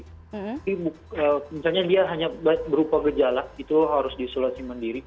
misalnya dia hanya berupa gejala itu harus di isolasi mandiri